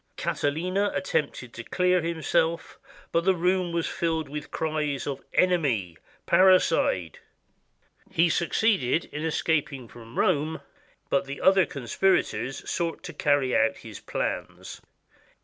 Catiline attempted to clear himself, but the room was filled with cries of " Enemy ! Parricide!" He succeeded in escaping from Rome, but the other con spirators sought to carry out his plans.